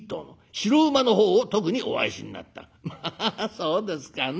「ハハハそうですかね。